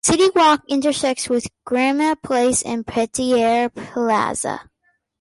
City Walk intersects with Garema Place and Petrie Plaza.